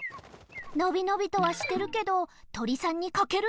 のびのびとはしてるけどとりさんにかけるのははくりょく！